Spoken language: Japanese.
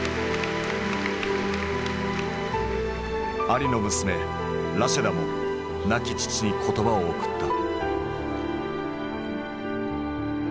アリの娘ラシェダも亡き父に言葉を贈った。